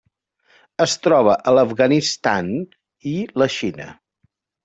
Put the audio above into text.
Es troba a l'Afganistan i la Xina.